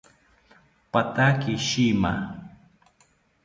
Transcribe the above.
Pathaki shima